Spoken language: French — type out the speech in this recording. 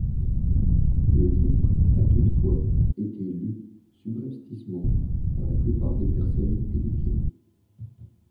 Le livre a toutefois été lu subrepticement par la plupart des personnes éduquées.